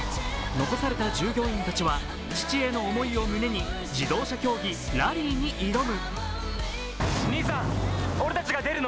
残された従業員たちは父への思いを胸に自動車競技、ラリーに挑む。